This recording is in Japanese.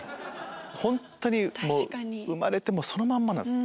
本当に生まれてそのまんまなんです。